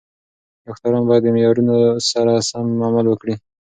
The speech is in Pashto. ډاکټران باید د معیارونو سره سم عمل وکړي.